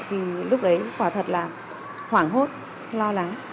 thì lúc đấy quả thật là hoảng hốt lo lắng